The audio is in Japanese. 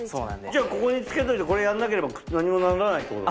じゃここにつけといてこれやんなければ何もならないってこと？